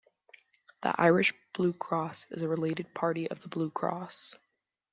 The Irish Blue Cross is a related party of Blue Cross.